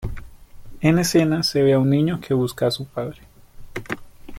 En escena se ve a un niño que busca a su padre.